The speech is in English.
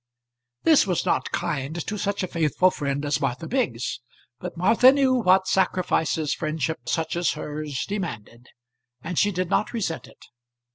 This was not kind to such a faithful friend as Martha Biggs; but Martha knew what sacrifices friendship such as hers demanded, and she did not resent it.